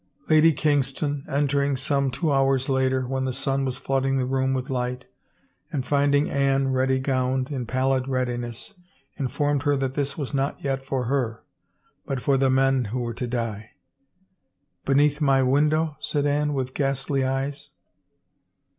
Lady Kingston, entering some two hours later, when the sun was flooding the room with light, and finding Anne, ready gowned, in pallid readiness, informed her 369 THE FAVOR OF KINGS that this was not yet for her, but for the men who were to die. " Beneath my window ?" said Anne with ghastly eyes.